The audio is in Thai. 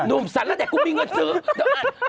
หนุ่มสันแล้วแต่กูมีเงินซื้อ